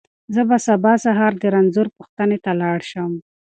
زه به سبا سهار د رنځور پوښتنې ته لاړ شم.